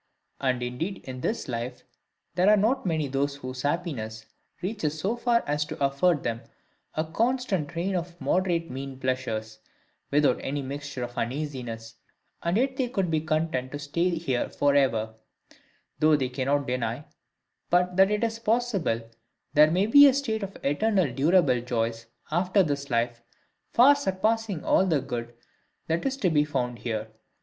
And indeed in this life there are not many whose happiness reaches so far as to afford them a constant train of moderate mean pleasures, without any mixture of uneasiness; and yet they could be content to stay here for ever: though they cannot deny, but that it is possible there may be a state of eternal durable joys after this life, far surpassing all the good that is to be found here.